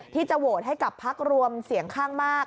ที่จะโหวตให้กับพักรวมเสียงข้างมาก